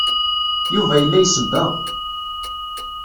Yuba yella isebbeɣ.